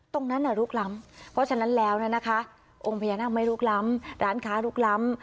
ตรงนั้นน่ะลุกล้ำเพราะฉะนั้นแล้วนะคะองค์พญานาคไม่ลุกล้ำร้านค้าลุกล้ำ